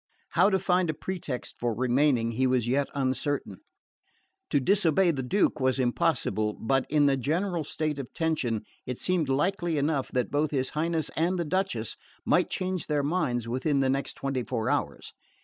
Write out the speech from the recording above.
How to find a pretext for remaining he was yet uncertain. To disobey the Duke was impossible; but in the general state of tension it seemed likely enough that both his Highness and the Duchess might change their minds within the next twenty four hours.